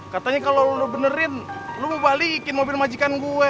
katanya kalau lo benerin lu mau balikin mobil majikan gue